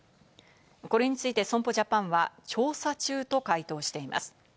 これについて損保ジャパンは調査中と回答しています。